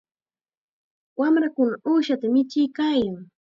Wamrakuna uushata michiykaayan.